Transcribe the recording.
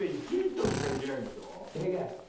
できないです。